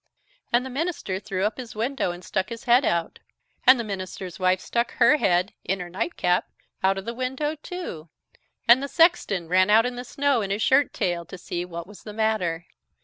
And the minister threw up his window and stuck his head out. And the minister's wife stuck her head, in her nightcap, out of the window, too. And the sexton ran out in the snow, in his shirt tail, to see what was the matter.